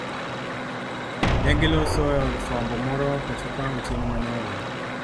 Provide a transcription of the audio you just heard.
Negiloso eod fwambo moro pachoka otieno manyoro.